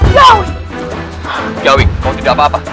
jauh kau tidak apa apa